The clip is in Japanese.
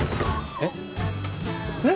えっえっ！？